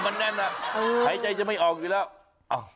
มันแน่นอ่ะหายใจจะไม่ออกอยู่แล้ว